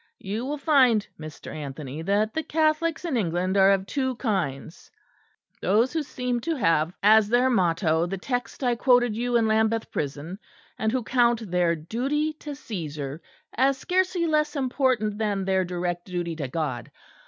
You will find, Mr. Anthony, that the Catholics in England are of two kinds: those who seem to have as their motto the text I quoted to you in Lambeth prison; and who count their duty to Cæsar as scarcely less important than their direct duty to God.